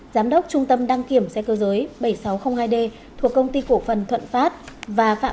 một nghìn chín trăm tám mươi sáu giám đốc trung tâm đăng kiểm xe cơ giới bảy nghìn sáu trăm linh hai d thuộc công ty cổ phần thuận phát và phạm